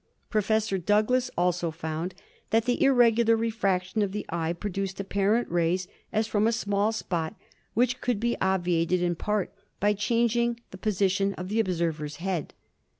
Professor Douglass also found that the irregular refraction of the eye produced apparent rays as from a small spot, which could be obviated in part by changing the position of the observer's head.